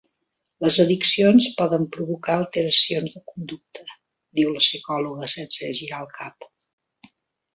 Les addiccions poden provocar alteracions de conducta —diu la psicòloga sense girar el cap.